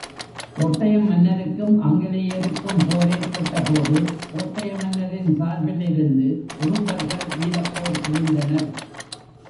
கோட்டையம் மன்னருக்கும் ஆங்கிலேயருக்கும் போர் ஏற்பட்ட போது, கோட்டைய மன்னரின் சார்பிலிருந்து குறும்பர்கள் வீரப்போர் புரிந்தனர்.